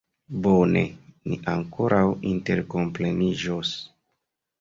Bone, ni ankoraŭ interkompreniĝos.